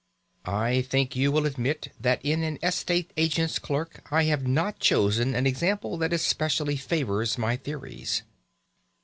I think you will admit that in an estate agent's clerk I have not chosen an example that specially favours my theories.